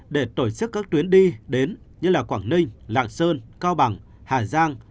để tổ chức các tuyến đi đến như quảng ninh lạng sơn cao bằng hà giang